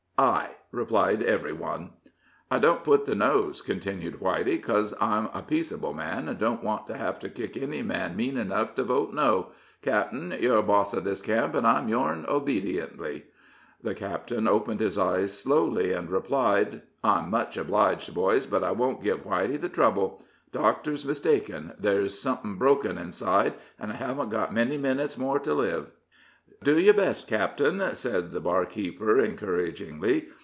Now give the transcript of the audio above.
'" "I," replied every one. "I don't put the noes," continued Whitey, "because I'm a peaceable man, and don't want to hev to kick any man mean enough to vote no. Cap'en, you'r boss of this camp, and I'm yourn obediently." The captain opened his eyes slowly, and replied: "I'm much obliged, boys, but I won't give Whitey the trouble. Doctor's mistaken there's someting broken inside, and I haven't got many minutes more to live." "Do yer best, cap'en," said the barkeeper, encouragingly.